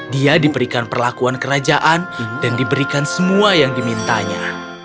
dia diberikan perlakuan kerajaan dan diberikan semua yang dimintanya